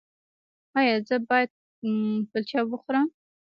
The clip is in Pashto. ایا زه باید کلچه وخورم؟